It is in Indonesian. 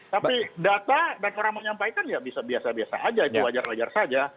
tapi data dan orang menyampaikan ya bisa biasa biasa saja itu wajar wajar saja